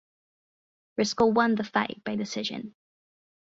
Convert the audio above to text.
Risco won the fight by decision.